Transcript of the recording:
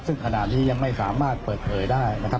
ซึ่งขณะนี้ยังไม่สามารถเปิดเผยได้นะครับ